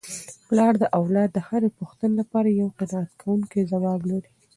پلار د اولاد د هرې پوښتني لپاره یو قناعت کوونکی ځواب لري.